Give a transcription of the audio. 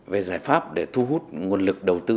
về giải pháp để thu hút nguồn lực đầu tư